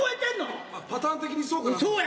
あっパターン的にそうかなと。